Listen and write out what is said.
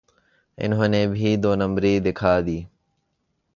انہوں نے بھی دو نمبری دکھا دی۔